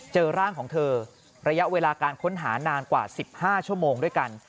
เจอร่างของเธอระยะเวลาการค้นหานานกว่า๑๕ชั่วโมงด้วยกัน